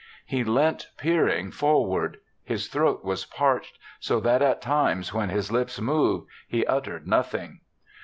He leant peering forward ; his throat was parched, so that at times when his lips moved he uttered nothing.